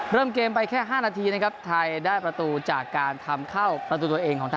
เริ่มเกมไปแค่๕นาทีนะครับไทยได้ประตูจากการทำเข้าประตูตัวเองของทาง